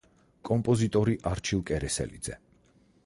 კომპოზიტორი: არჩილ კერესელიძე.